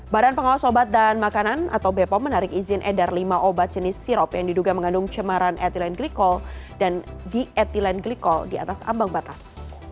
badan pengawas obat dan makanan atau bepom menarik izin edar lima obat jenis sirop yang diduga mengandung cemaran etilen glikol dan dietilen glikol di atas ambang batas